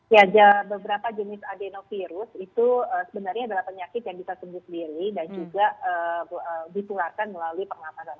ya beberapa jenis adenovirus itu sebenarnya adalah penyakit yang bisa sembuh sendiri dan juga ditularkan melalui pernafasan